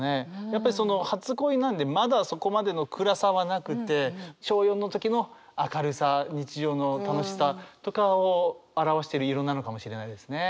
やっぱりその初恋なんでまだそこまでの暗さはなくて小４の時の明るさ日常の楽しさとかを表してる色なのかもしれないですね。